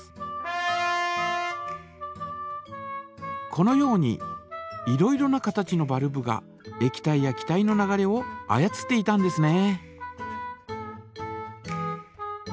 このようにいろいろな形のバルブがえき体や気体の流れを操っていたんですね。